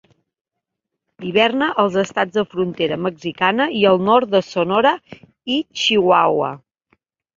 Hiverna als estats de frontera mexicana i al nord de Sonora i Chihuahua.